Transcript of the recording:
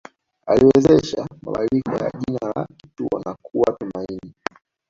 Aliwezesha mabadiliko ya jina la kituo na kuwa Tumaini